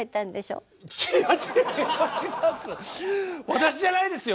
私じゃないですよ。